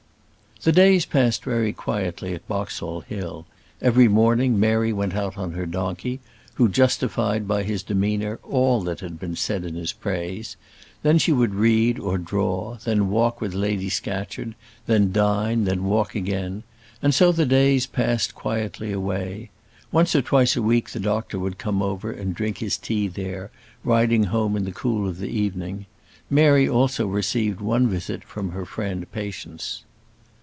The days passed very quietly at Boxall Hill. Every morning Mary went out on her donkey, who justified by his demeanour all that had been said in his praise; then she would read or draw, then walk with Lady Scatcherd, then dine, then walk again; and so the days passed quietly away. Once or twice a week the doctor would come over and drink his tea there, riding home in the cool of the evening. Mary also received one visit from her friend Patience.